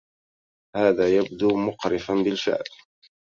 هذا يبدو مقرفا بالفعل.